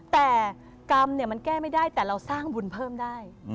แต่กรรมมันแก้ไม่ได้แต่เราสร้างบุญเพิ่มได้